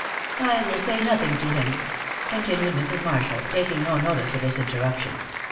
"I will say nothing to him," continued Mrs. Marshall, taking no notice of this interruption.